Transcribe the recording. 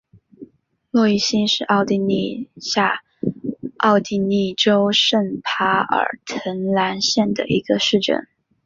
洛伊希是奥地利下奥地利州圣帕尔滕兰县的一个市镇。